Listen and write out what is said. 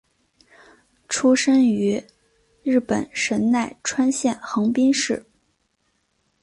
出生于日本神奈川县横滨市。